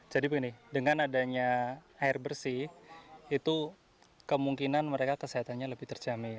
jadi begini dengan adanya air bersih itu kemungkinan mereka kesehatannya lebih terjamin